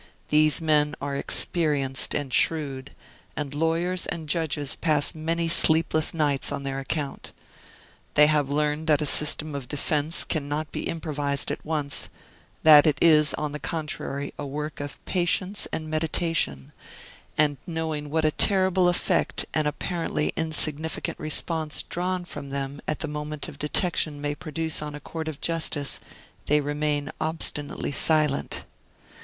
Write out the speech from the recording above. These men are experienced and shrewd, and lawyers and judges pass many sleepless nights on their account. They have learned that a system of defense can not be improvised at once; that it is, on the contrary, a work of patience and meditation; and knowing what a terrible effect an apparently insignificant response drawn from them at the moment of detection may produce on a court of justice, they remain obstinately silent.